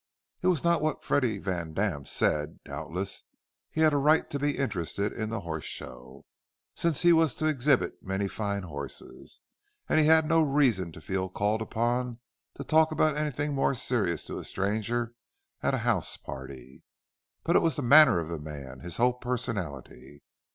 It was not what Freddie Vandam said; doubtless he had a right to be interested in the Horse Show, since he was to exhibit many fine horses, and he had no reason to feel called upon to talk about anything more serious to a stranger at a house party. But it was the manner of the man, his whole personality.